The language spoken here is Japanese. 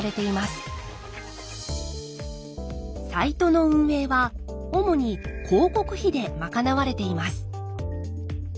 サイトの運営は主に広告費で賄われています。